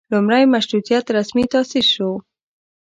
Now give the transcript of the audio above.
لومړۍ مشروطیت رسمي تاسیس شو.